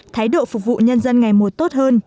thái độ phục vụ nhân dân ngày một tốt hơn